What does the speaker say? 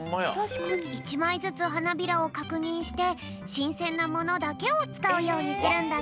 １まいずつはなびらをかくにんしてしんせんなものだけをつかうようにするんだって。